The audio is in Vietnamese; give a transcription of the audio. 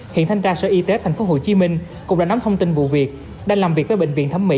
hiện thanh tra sở y tế tp hcm cũng đã nắm thông tin vụ việc đang làm việc với bệnh viện thẩm mỹ